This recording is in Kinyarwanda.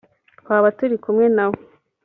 twaba turi kumwe na we